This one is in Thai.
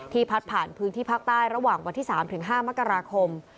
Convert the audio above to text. พัดผ่านพื้นที่ภาคใต้ระหว่างวันที่๓๕มกราคม